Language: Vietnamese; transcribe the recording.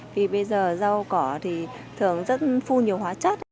vì bây giờ rau cỏ thì thường rất phun nhiều hóa chất